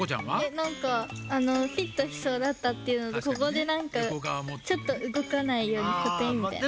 なんかフィットしそうだったっていうのとそこでなんかちょっとうごかないようにこていみたいな。